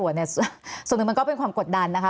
ส่วนหนึ่งมันก็เป็นความกดดันนะคะ